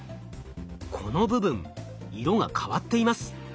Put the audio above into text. この部分色が変わっています。